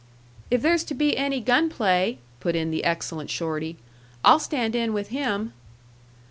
"If there's to be any gun play," put in the excellent Shorty, "I'll stand in with him."